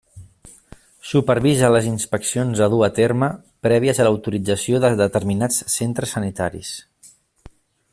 Supervisa les inspeccions a dur a terme, prèvies a l'autorització de determinats centres sanitaris.